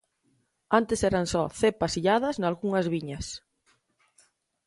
Antes eran só cepas illadas nalgunhas viñas.